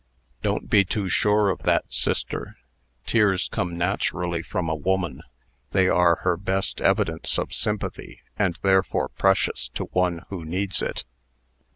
"Don't be too sure of that, sister. Tears come naturally from a woman. They are her best evidence of sympathy, and therefore precious to one who needs it."